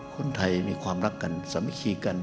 คนไทยมีความรักกันสามัคคีกัน